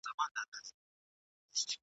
دواړي سترګي یې د اوښکو پیمانې دي ..